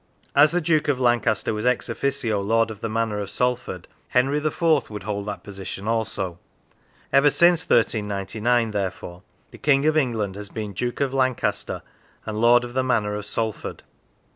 As the Duke of Lancaster was ex officio lord of the manor of Salford, Henry IV. would hold that position also. Ever since 1399, t ^ iere ~ fore, the King of England has been Duke of Lancaster and Lord of the Manor of Salford.